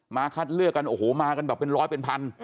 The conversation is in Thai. คัดเลือกกันโอ้โหมากันแบบเป็นร้อยเป็นพัน